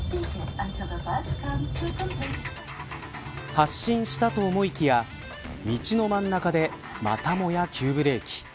発進したと思いきや道の真ん中でまたもや急ブレーキ。